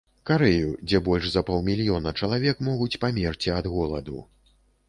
Карэю, дзе больш за паўмільёна чалавек могуць памерці ад голаду.